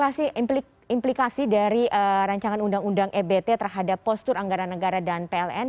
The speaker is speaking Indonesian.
apa sih implikasi dari rancangan undang undang ebt terhadap postur anggaran negara dan pln